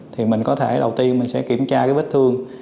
thì mình có thể đầu tiên mình sẽ kiểm tra cái vết thương